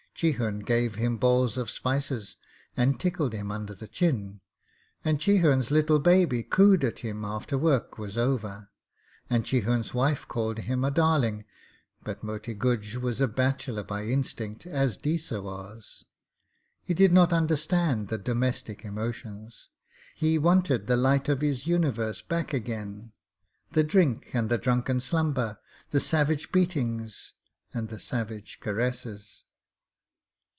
Chihun gave him balls of spices, and tickled him under the chin, and Chihun's little baby cooed to him after work was over, and Chihun's wife called him a darling; but Moti Guj was a bachelor by instinct, as Deesa was. He did not understand the domestic emotions. He wanted the light of his universe back again the drink and the drunken slumber, the savage beatings and the savage caresses.